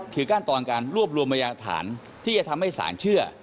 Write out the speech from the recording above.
คือขั้นตอนการรวบรวมพยาฐานที่จะทำให้ศาลเชื่อ